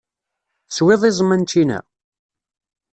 Teswiḍ iẓem-a n ccina?